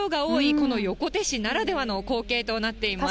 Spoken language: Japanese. この横手市ならではの光景といいます。